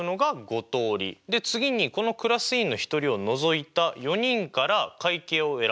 で次にこのクラス委員の１人を除いた４人から会計を選ぶ。